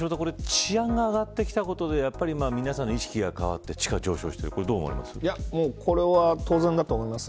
治安が上がってきたことで皆さんの意識が変わって地価が上昇しているこれは当然だと思います。